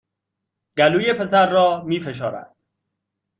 گلوی پسر را می فشارد